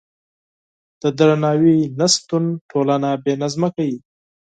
د درناوي نشتون ټولنه بې نظمه کوي.